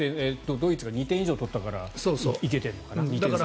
ドイツが２点以上取ったから行けているのかな。